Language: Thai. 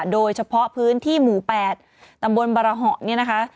โดยเฉพาะพื้นที่หมู่๘ตำบลบรหะเนี่ยนะคะ